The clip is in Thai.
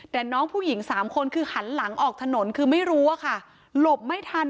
แต่น้องผู้หญิงสามคนคือหันหลังออกถนนคือไม่รู้อะค่ะหลบไม่ทัน